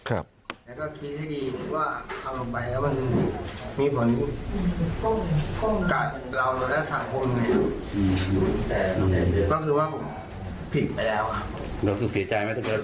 อยากขอโทษเพื่อนมั้ยพ่อรถ